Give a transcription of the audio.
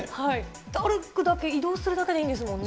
歩くだけ、移動するだけでいいんですもんね。